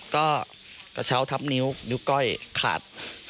ก็กระเช้าทับนิ้วนิ้วก้อยขาด